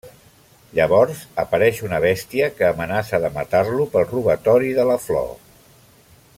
Llavors, apareix una bèstia que amenaça de matar-lo pel robatori de la flor.